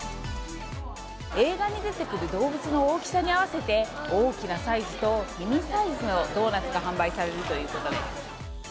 映画に出てくる動物の大きさに合わせて、大きなサイズとミニサイズのドーナツが販売されるということです。